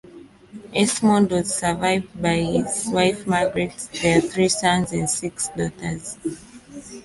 Esmond was survived by his wife Margaret, their three sons and six daughters.